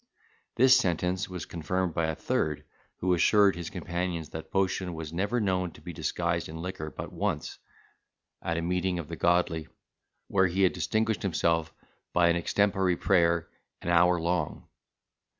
This sentence was confirmed by a third, who assured his companions that Potion was never known to be disguised in liquor but once, at a meeting of the godly, where he had distinguished himself by an extempore prayer an hour long.